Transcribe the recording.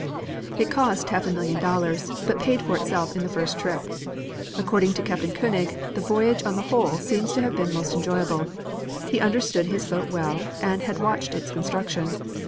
It cost a half a million dollars, but paid for itself in the first trip. According to Captain Koenig the voyage on the whole seems to have been most enjoyable. He understood his boat well and had watched its construction.